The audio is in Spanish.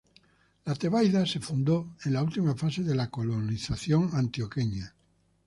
La Tebaida se fundó en la última fase de la Colonización Antioqueña.